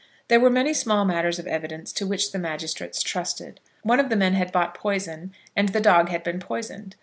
There were many small matters of evidence to which the magistrates trusted. One of the men had bought poison, and the dog had been poisoned.